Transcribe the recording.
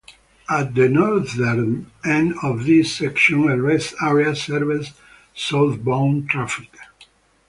At the northern end of this section a rest area serves southbound traffic.